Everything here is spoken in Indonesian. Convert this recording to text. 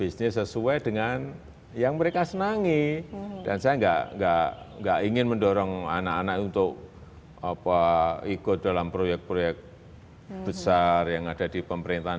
saya enggak ingin mendorong anak anak untuk ikut dalam proyek proyek besar yang ada di pemerintahan